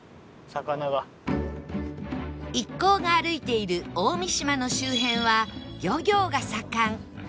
一行が歩いている大三島の周辺は漁業が盛ん